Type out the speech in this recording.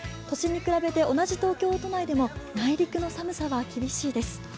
都心に比べて、同じ東京都内でも内陸の寒さは厳しいです。